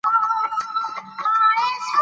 مور د کورنۍ لپاره رنګین خواړه پخوي.